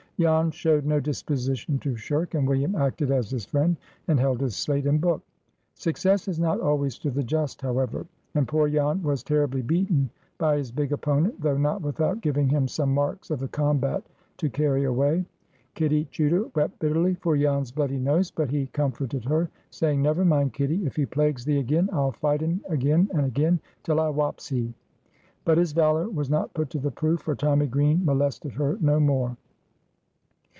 Jan showed no disposition to shirk, and William acted as his friend, and held his slate and book. Success is not always to the just, however; and poor Jan was terribly beaten by his big opponent, though not without giving him some marks of the combat to carry away. Kitty Chuter wept bitterly for Jan's bloody nose; but he comforted her, saying, "Never mind, Kitty; if he plagues thee again, 'll fight un again and again, till I whops he." But his valor was not put to the proof, for Tommy Green molested her no more.